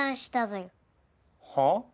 はあ？